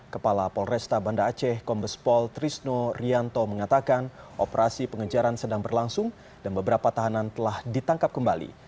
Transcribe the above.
kepala polresta banda aceh kombespol trisno rianto mengatakan operasi pengejaran sedang berlangsung dan beberapa tahanan telah ditangkap kembali